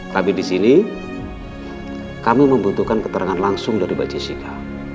kami di sini kami membutuhkan keterangan langsung dari mbak jessica